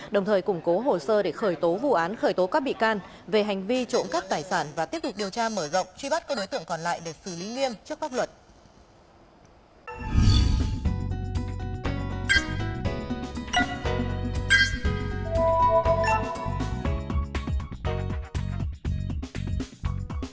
đồng thời củng cố hồ sơ để khởi tố vụ án khởi tố các bị can về hành vi trộm cắp tài sản và tiếp tục điều tra mở rộng truy bắt các đối tượng còn lại để xử lý nghiêm trước pháp luật